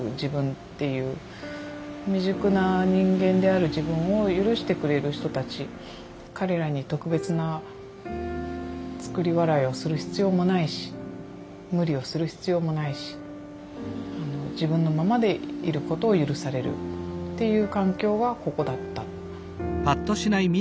未熟な人間である自分を許してくれる人たち彼らに特別な作り笑いをする必要もないし無理をする必要もないし自分のままでいることを許されるっていう環境はここだった。